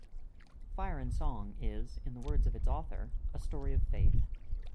"Fire and Song" is, in the words of its author, "a story of Faith".